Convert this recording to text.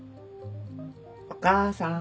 お義母さん。